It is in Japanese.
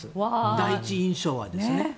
第一印象はですね。